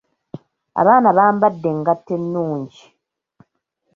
Abaana bambadde engatto ennungi.